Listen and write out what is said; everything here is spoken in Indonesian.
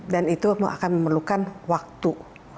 dan itu akan memerlukan waktu